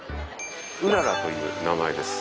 うららという名前です。